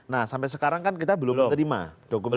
nah sampai sekarang kan kita belum menerima dokumen itu